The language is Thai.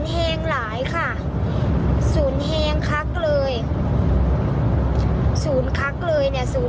๐แหงหลายค่ะ๐แหงคักเลย๐คักเลยเนี่ย